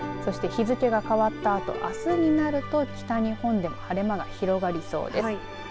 そして日付変わったあとあすになると北日本でも晴れ間が広がりそうです。